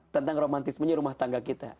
tentang romantismenya rumah tangga kita